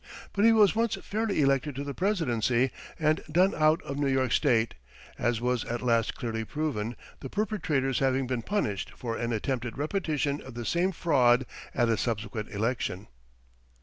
But he was once fairly elected to the presidency and done out of New York State, as was at last clearly proven, the perpetrators having been punished for an attempted repetition of the same fraud at a subsequent election.